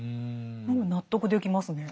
納得できますね。